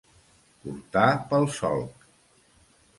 Portar pel solc.